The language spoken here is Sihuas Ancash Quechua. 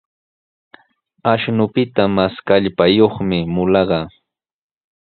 Ashnupita mas kallpayuqmi mulaqa.